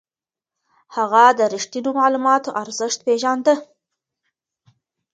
هغه د رښتينو معلوماتو ارزښت پېژانده.